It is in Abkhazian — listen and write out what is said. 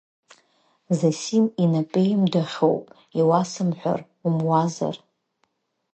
Зосим инапеимдахьоуп, иуасымҳәар умуазар!